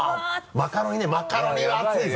マカロニねマカロニは熱いぞ。